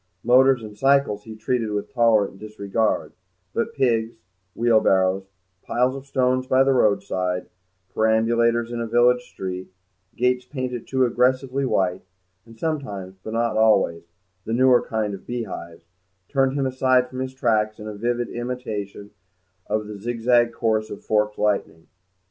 Motors and cycles he treated with tolerant disregard, but pigs, wheelbarrows, piles of stones by the roadside, perambulators in a village street, gates painted too aggressively white, and sometimes, but not always, the newer kind of beehives, turned him aside from his tracks in vivid imitation of the zigzag course of forked lightning.